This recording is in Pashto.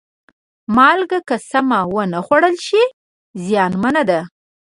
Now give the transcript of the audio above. مالګه که سمه ونه خوړل شي، زیانمنه ده.